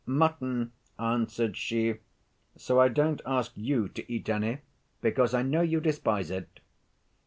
"Mutton," answered she, "so I don't ask you to eat any, because I know you despise it!"